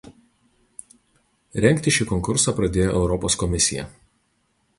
Rengti šį konkursą pradėjo Europos Komisija.